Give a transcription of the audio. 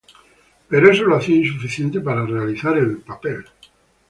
Pero eso lo hacía insuficiente para realizar el rol.